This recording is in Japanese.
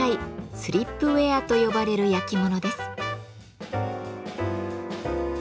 「スリップウェア」と呼ばれるやきものです。